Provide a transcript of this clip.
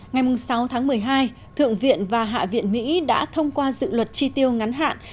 ngày sáu tháng một mươi hai thượng viện và hạ viện mỹ đã thông qua dự luật tri tiêu ngắn hạn